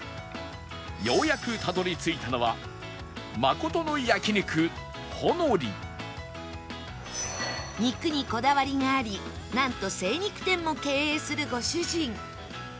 ようやくたどり着いたのは肉にこだわりがありなんと精肉店も経営するご主人